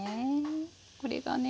これがね